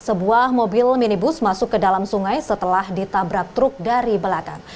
sebuah mobil minibus masuk ke dalam sungai setelah ditabrak truk dari belakang